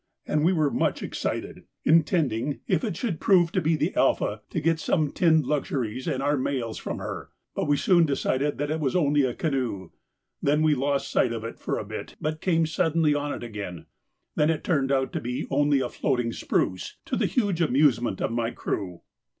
and we were much excited, intending, if it should prove to be the 'Alpha,' to get some tinned luxuries and our mails from her, but we soon decided that it was only a canoe. We then lost sight of it for a bit, but came suddenly on it again, when it turned out to be only a floating spruce, to the huge amusement of my crew.